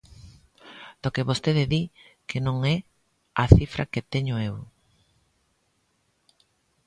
Do que vostede di, que non é a cifra que teño eu.